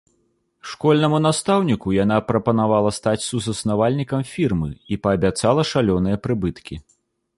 Школьнаму настаўніку яна прапанавала стаць сузаснавальнікам фірмы і паабяцала шалёныя прыбыткі.